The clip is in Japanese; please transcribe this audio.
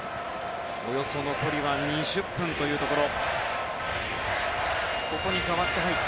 およそ残り２０分というところ。